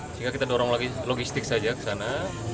sehingga kita dorong logistik saja ke sana